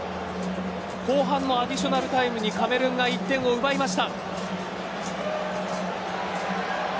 後半のアディショナルタイムにカメルーンが１点を奪いました。